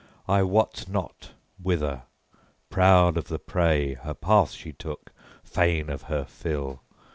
I wot not whither, {20a} proud of the prey, her path she took, fain of her fill.